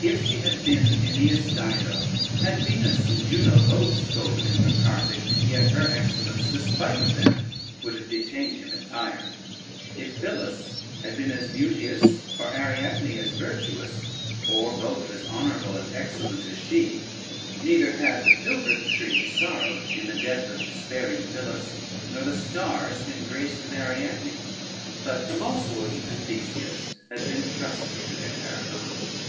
If she had been Aeneas' Dido, had Venus and Juno both scolded him from Carthage, yet her excellence, despite of them, would have detained him at Tyre. If Phyllis had been as beauteous, or Ariadne as virtuous, or both as honorable and excellent as she, neither had the filbert tree sorrowed in the death of despairing Phyllis, nor the stars been graced with Ariadne, but Demophoon and Theseus had been trusty to their paragons.